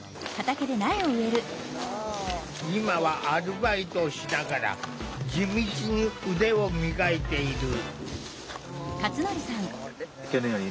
今はアルバイトをしながら地道に腕を磨いている。